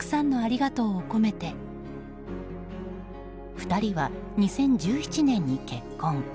２人は２０１７年に結婚。